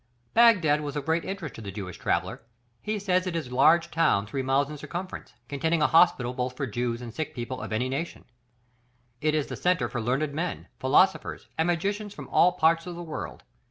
Baghdad was of great interest to the Jewish traveller; he says it is a large town three miles in circumference, containing a hospital both for Jews and sick people of any nation. It is the centre for learned men, philosophers, and magicians from all parts of the world.